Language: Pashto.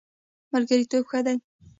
ملګرتوب ښه دی.